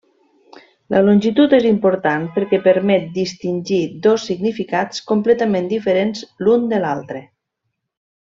La longitud és important perquè permet distingir dos significats completament diferents l'un de l'altre.